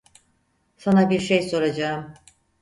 Sana bir şey soracağım.